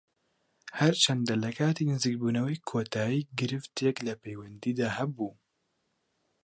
هەرچەندە لە کاتی نزیکبوونەوەی کۆتایی گرفتێک لە پەیوەندیدا هەبوو